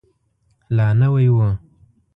لا نوی و.